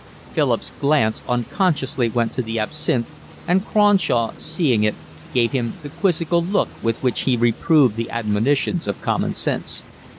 Philip's glance unconsciously went to the absinthe, and Cronshaw, seeing it, gave him the quizzical look with which he reproved the admonitions of common sense.